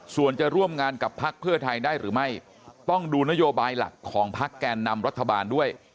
ส่วนจะร่วมงานกับพักเพื่อไทยได้หรือไม่ต้องดูนโยบายหลักของพักแกนนำรัฐบาลด้วย